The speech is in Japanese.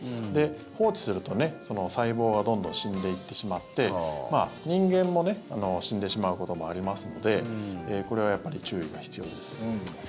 放置すると、細胞がどんどん死んでいってしまって人間も死んでしまうこともありますのでこれはやっぱり注意が必要です。